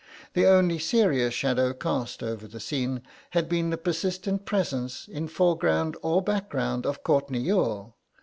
The only serious shadow cast over the scene had been the persistent presence, in foreground or background, of Courtenay Youghal.